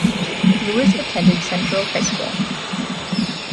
Louis attended Central High School.